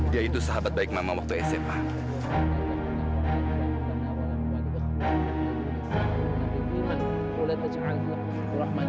dia itu sahabat baik mama waktu sma